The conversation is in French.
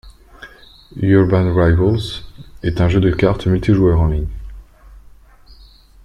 Urban-Rivals est un jeu de cartes multijoueurs en ligne.